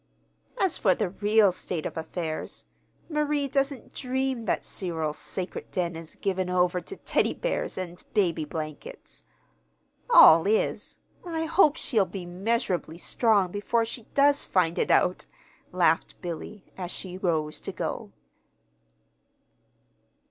"As for the real state of affairs, Marie doesn't dream that Cyril's sacred den is given over to Teddy bears and baby blankets. All is, I hope she'll be measurably strong before she does find it out," laughed Billy, as she rose to go.